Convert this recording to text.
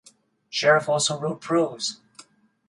Sherriff also wrote prose.